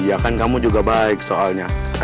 iya kan kamu juga baik soalnya